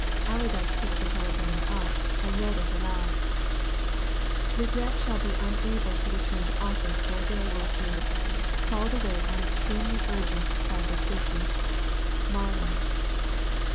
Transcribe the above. Allerdyke picked the telegram up and read it aloud. "Regret shall be unable to return to office for day or two; called away on extremely urgent private business. MARLOW."